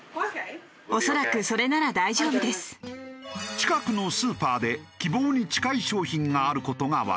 近くのスーパーで希望に近い商品がある事がわかった。